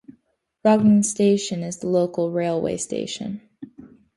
Rognan Station is the local railway station.